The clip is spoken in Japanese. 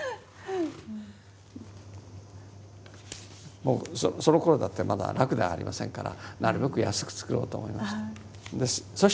もうそのころだってまだ楽ではありませんからなるべく安く作ろうと思いました。